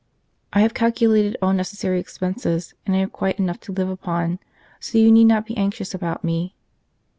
" I have calculated all necessary expenses, and I have quite enough to live upon, so you need not be anxious about me.